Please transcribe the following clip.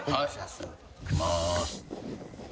いきます。